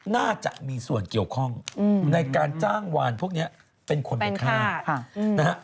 น่าจะมีส่วนเกี่ยวข้องในการจ้างวานพวกนี้เป็นคนไปฆ่านะฮะ